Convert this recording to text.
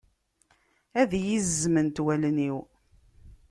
Ad iyi-zzment wallen-iw.